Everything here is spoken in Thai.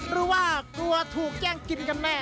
หรือว่ากลัวถูกแกล้งกินกันแน่